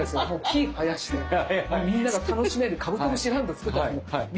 木生やしてみんなが楽しめるカブトムシランド作ったんですよ。